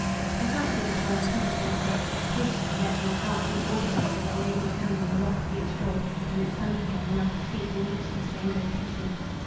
I fancied that I was proof against the expectation; yet my heart beat audibly, as I laid my hand on the lock of each door, and it sunk again, when I perceived in each the same vacancy.